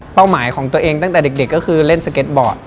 หมายของตัวเองตั้งแต่เด็กก็คือเล่นสเก็ตบอร์ด